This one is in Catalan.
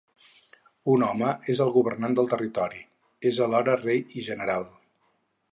Un home és el governant del territori: és alhora rei i general.